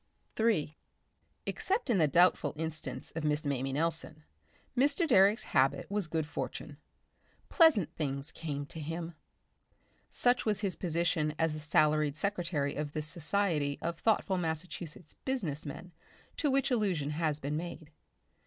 Section 3 Except in the doubtful instance of Miss Mamie Nelson, Mr. Direck's habit was good fortune. Pleasant things came to him. Such was his position as the salaried secretary of this society of thoughtful Massachusetts business men to which allusion has been made.